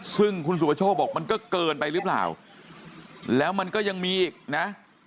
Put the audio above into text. ซึ่งคุณสุประโชคบอกมันก็เกินไปหรือเปล่าแล้วมันก็ยังมีอีกนะ